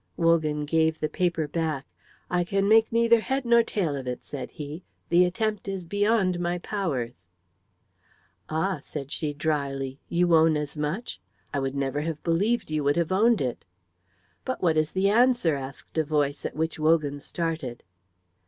Wogan gave the paper back. "I can make neither head nor tail of it," said he. "The attempt is beyond my powers." "Ah," said she, drily, "you own as much? I would never have believed you would have owned it." "But what is the answer?" asked a voice at which Wogan started.